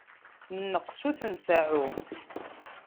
Nneqs ur t-nseεεu.